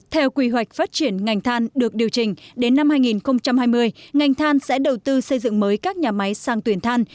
theo quy hoạch phát triển ngành than được điều chỉnh đến năm hai nghìn hai mươi ngành than sẽ đầu tư xây dựng mới các nhà máy sang tuyển than